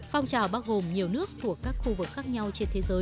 phong trào bắt gồm nhiều nước thuộc các khu vực khác